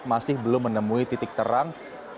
masih belum menemui titik terang